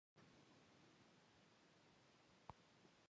مور د ناروغۍ مخه نیسي.